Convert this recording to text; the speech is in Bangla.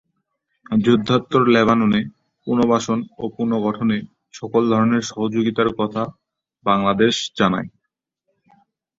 যুদ্ধোত্তর লেবাননে পুনর্বাসন ও পুনর্গঠনে সকল ধরনের সহযোগিতার কথাও বাংলাদেশ জানায়।